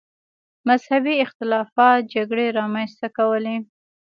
مذهبي اختلافات جګړې رامنځته کولې.